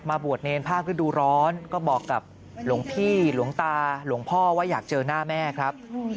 บวชเนรภาคฤดูร้อนก็บอกกับหลวงพี่หลวงตาหลวงพ่อว่าอยากเจอหน้าแม่ครับ